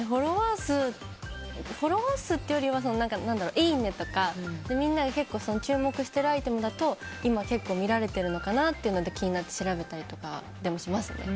フォロワー数というよりはいいねとか、みんなが結構注目しているアイテムだと今、結構見られてるのかなと思って気になって調べたりしますね。